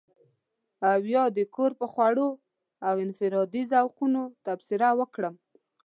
او يا د کور پر خوړو او انفرادي ذوقونو تبصره وکړم.